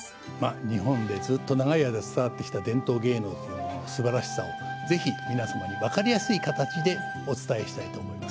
日本で、ずっと長い間伝わってきた伝統芸能のすばらしさをぜひ皆さんに分かりやすい形でお伝えしたいと思います。